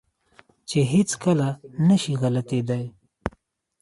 چې هېڅ کله نه شي غلطېداى.